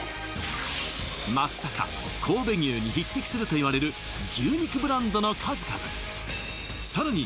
松阪神戸牛に匹敵するといわれる牛肉ブランドの数々さらに